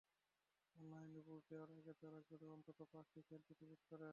অনলাইনে পোস্ট দেওয়ার আগে তারা গড়ে অন্তত পাঁচটি সেলফি ডিলিট করে।